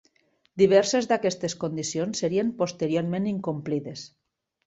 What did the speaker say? Diverses d'aquestes condicions serien posteriorment incomplides.